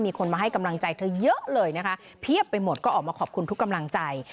มีคนมาให้กำลังใจเธอเยอะเลยนะคะเพียบไปหมดก็ออกมาขอบคุณทุกกำลังใจ